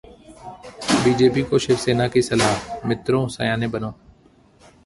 BJP को शिवसेना की सलाह-मित्रों, सयाने बनो!